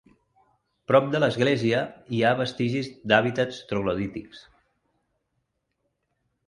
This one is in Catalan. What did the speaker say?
Prop de l'església hi ha vestigis d'hàbitats troglodítics.